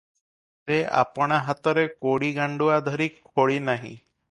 ସେ ଆପଣା ହାତରେ କୋଡ଼ି ଗାଣ୍ତୁଆ ଧରି ଖୋଳିନାହିଁ ।